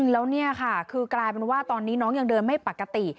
แล้วเนี่ยค่ะคือกลายเป็นว่าตอนนี้น้องยังเดินไม่ปกติ